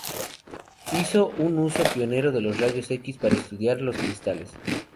Hizo un uso pionero de los rayos X para estudiar los cristales.